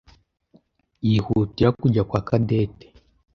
yihutira kujya kwa Cadette.